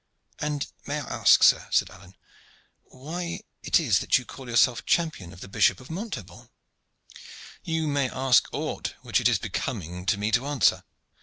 "And may I ask, sir," said Alleyne, "why it is that you call yourself champion of the Bishop of Montaubon?" "You may ask aught which it is becoming to me to answer.